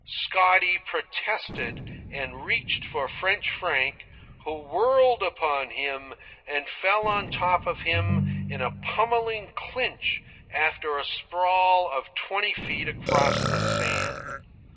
Scotty protested and reached for French Frank, who whirled upon him and fell on top of him in a pummelling clinch after a sprawl of twenty feet across the sand.